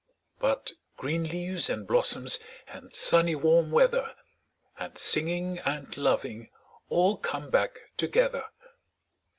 But green leaves, and blossoms, and sunny warm weather, 5 And singing, and loving all come back together.